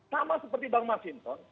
sama seperti bang masinton